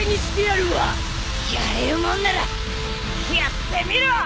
やれるもんならやってみろ！